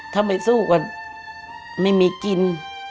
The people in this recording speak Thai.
ถ้าไม่สู้ก็ไม่มีกิน